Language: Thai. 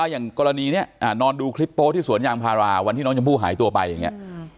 อย่างกรณีนี้นอนดูคลิปโป๊ที่สวนยางพาราวันที่น้องชมพู่หายตัวไปอย่างนี้